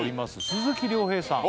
鈴木亮平さん